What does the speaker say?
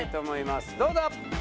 どうぞ！